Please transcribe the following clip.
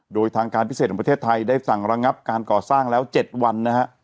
โดยทางการพิเศษของประเทศไทยได้สั่งระงับการก่อสร้างแล้ว๗วันนะฮะ